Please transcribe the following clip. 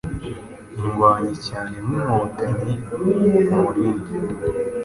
Indwanyi cyane nk inkotanyi ku murindi